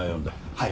はい。